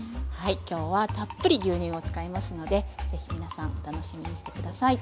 今日はたっぷり牛乳を使いますので是非皆さんお楽しみにして下さい。